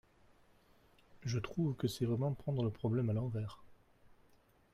Je trouve que c’est vraiment prendre le problème à l’envers.